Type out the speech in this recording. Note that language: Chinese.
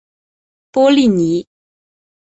波利尼。